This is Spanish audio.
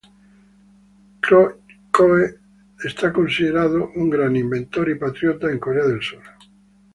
Choe es considerado un gran inventor y patriota en Corea del Sur.